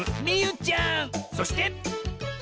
そして！